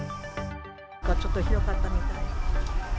ちょっとひどかったみたい。